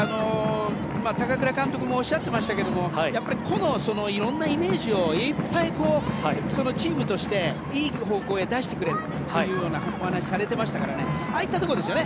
高倉監督もおっしゃっていましたけど個の色んなイメージをいっぱいチームとしていい方向へ出してくれというようなお話をされていましたからああいったところですよね。